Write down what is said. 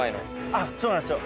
そうなんですよ。